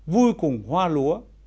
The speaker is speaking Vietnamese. vui cùng hoa lúa